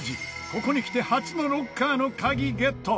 ここにきて初のロッカーの鍵ゲット！